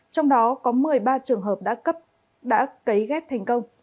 trong đó có một mươi ba trường hợp đã cấy ghép thành công